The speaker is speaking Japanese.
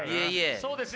そうですね。